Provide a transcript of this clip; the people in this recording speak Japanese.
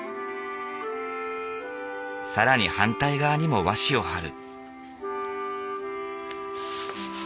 更に反対側にも和紙をはる。